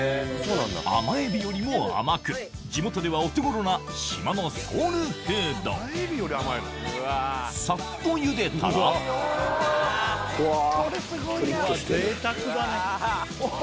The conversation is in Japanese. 甘エビよりも甘く地元ではお手頃な島のソウルフードサッとゆでたらうわプリっとしてる。